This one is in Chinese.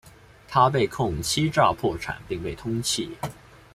他被控欺诈破产并被通缉。